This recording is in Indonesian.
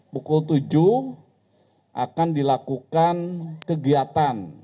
pukul tujuh akan dilakukan kegiatan